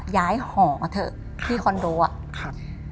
ย้ายหอเถอะที่คอนโดอะ